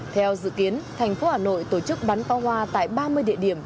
theo dự kiến thành phố hà nội tổ chức bắn pháo hoa tại ba mươi địa điểm